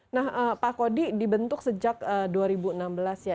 nah pak kodi dibentuk sejak dua ribu enam belas ya